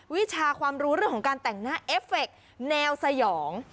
วิชาความรู้เรื่องของการแต่งหน้าเอฟเฟคแนวสยอง